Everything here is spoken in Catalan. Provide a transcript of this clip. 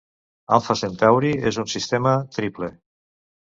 Alfa Centauri és un sistema triple.